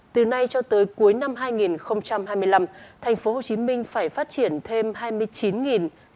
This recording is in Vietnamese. từ nay cho tới cuối năm hai nghìn hai mươi năm tp hcm phải phát triển thêm hai mươi chín sáu trăm hai mươi năm tỷ đồng